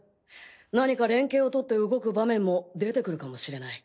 何か連携をとって動く場面も出てくるかもしれない。